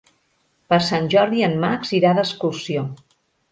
Per Sant Jordi en Max irà d'excursió.